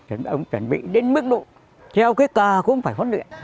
ông ấy chuẩn bị đến mức độ treo cái cờ cũng phải huấn luyện